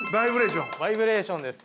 バイブレーションです。